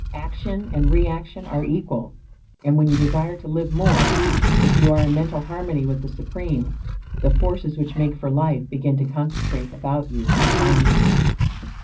Action and reaction are equal, and when you desire to live more, if you are in mental harmony with the Supreme, the forces which make for life begin to concentrate about you and upon you.